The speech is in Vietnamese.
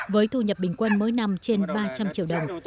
với thu nhập bình quân mỗi năm trên ba trăm linh triệu đồng